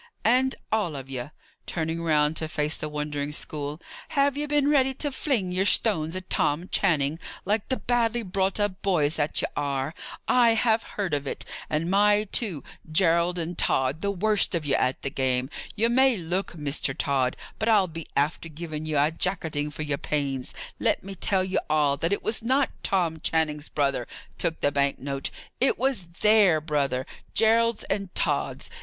"And all of ye" turning round to face the wondering school "have been ready to fling ye're stones at Tom Channing, like the badly brought up boys that ye are. I have heard of it. And my two, Gerald and Tod, the worst of ye at the game. You may look, Mr. Tod, but I'll be after giving ye a jacketing for ye're pains. Let me tell ye all, that it was not Tom Channing's brother took the bank note; it was their brother Gerald's and Tod's!